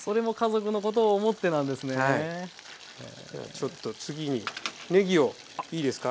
ちょっと次にねぎをいいですか。